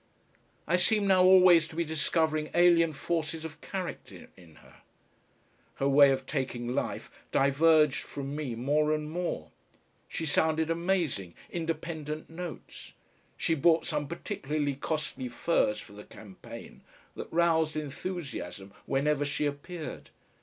I seemed now always to be discovering alien forces of character in her. Her way of taking life diverged from me more and more. She sounded amazing, independent notes. She bought some particularly costly furs for the campaign that roused enthusiasm whenever she appeared.